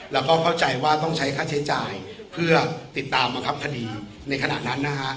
และเข้าใจว่าต้องใช้ค่าใช้จ่ายเพื่อติดตามกับคดีในขณะนั้น